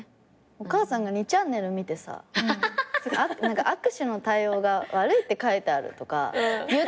お母さんが２ちゃんねる見てさ「握手の対応が悪いって書いてある」とか言ってくるの。